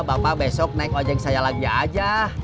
bapak besok naik ojek saya lagi aja